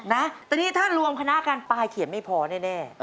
นะแต่นี่ถ้ารวมคณะกันปลายเขียนไม่พอแน่